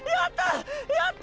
やった！